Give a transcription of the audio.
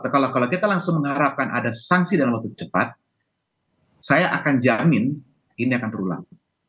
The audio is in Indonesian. kalau kita langsung mengharapkan ada sanksi dalam waktu cepat saya akan jamin ini akan terulang